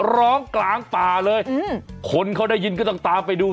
ร้องกลางป่าเลยคนเขาได้ยินก็ต้องตามไปดู